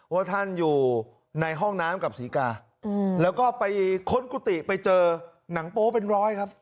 ว่าท่านอยู่ในห้องน้ำกับศรีกาแล้วก็ไปค้นกุฏิไปเจอหนังโป๊เป็นร้อยครับ